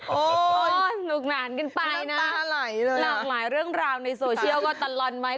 สนุกหนานกันไปนะหลากหลายเรื่องราวในโซเชียลก็ตะลอนไว้